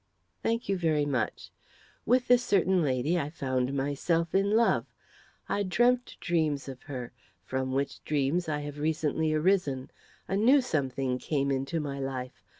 "Thank you, very much. With this certain lady I found myself in love. I dreamt dreams of her from which dreams I have recently arisen. A new something came into my life.